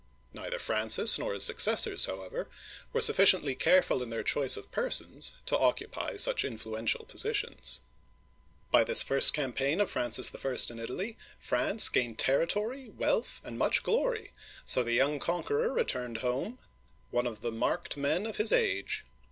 Neither Francis nor his successors, however, were sufficiently careful in their choice of persons to occupy such influential positions. By this first campaign of Francis I. in Italy, France uigiTizea Dy vjiOOQlC 230 OLD FRANCE gained territory, wealth, and much glory, so the young conqueror returned home, one of the marked men of his age.